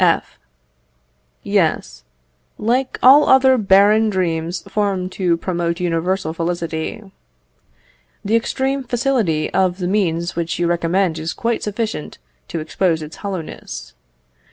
F. Yes, like all other barren dreams formed to promote universal felicity. The extreme facility of the means which you recommend is quite sufficient to expose its hollowness.